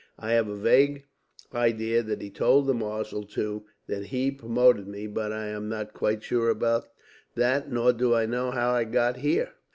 I have a vague idea that he told the marshal, too, that he promoted me; but I am not quite sure about that, nor do I know how I got here."